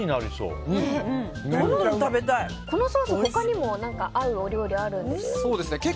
このソース、他にも合うお料理あるんでしたっけ？